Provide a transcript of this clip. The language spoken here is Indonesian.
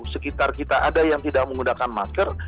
sekitar kita ada yang tidak menggunakan masker